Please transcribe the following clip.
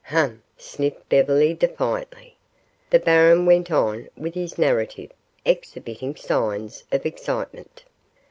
"Umph!" sniffed Beverly defiantly. The baron went on with his narrative, exhibiting signs of excitement.